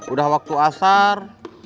udah waktu asar